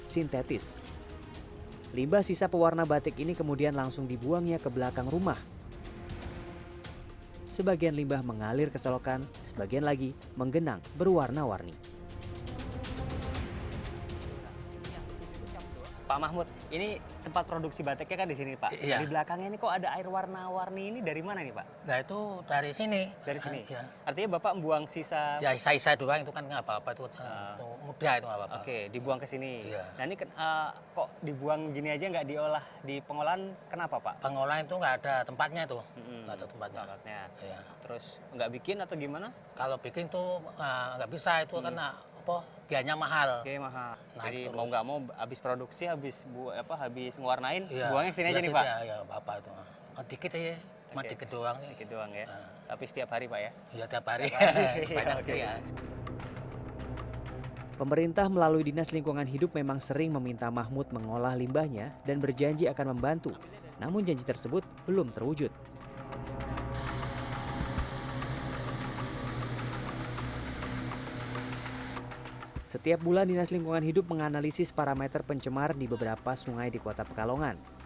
setiap bulan dinas lingkungan hidup menganalisis parameter pencemar di beberapa sungai di kota pekalongan